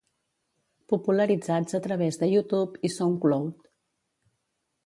Popularitzats a través de YouTube i SoundCloud.